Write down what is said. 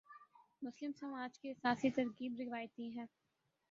مسلم سماج کی اساسی ترکیب روایتی ہے۔